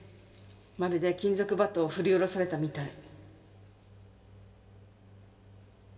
まるで金属バットを振り下ろされたみたい。